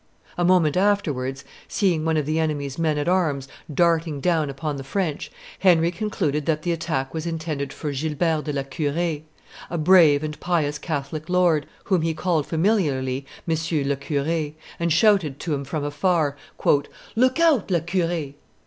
A moment afterwards, seeing one of the enemy's men at arms darting down upon the French, Henry concluded that the attack was intended for Gilbert, de la Cure, a brave and pious Catholic lord, whom he called familiarly Monsieur le Cure, and shouted to him from afar, "Look out, La Curee!"